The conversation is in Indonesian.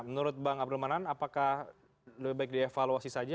menurut bang abdul manan apakah lebih baik dievaluasi saja